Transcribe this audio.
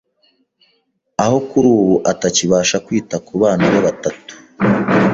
aho kuri ubu atakibasha kwita kubana be batatu.